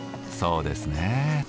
そうですね。